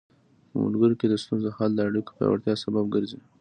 په ملګرو کې د ستونزو حل د اړیکو پیاوړتیا سبب ګرځي.